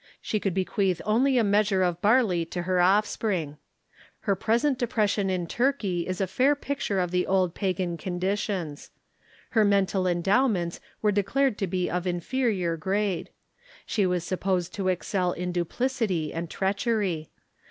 She could bequeath only a measure of barley to her off Degradation of spring. Her present depression m Turkey is a Sdhood'' fail* picture of the old pagan conditions. Her mental endowments were declared to be of in ferior grade. She was supposed to excel in duplicity and treachery.